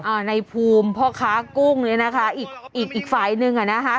ในภูมิพ่อค้ากุ้งเนี้ยนะคะอีกอีกอีกฝ่ายหนึ่งอ่ะนะคะ